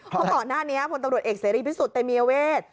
เพราะขอน่าวนี้นะครับปเอกสพตะเมียเวท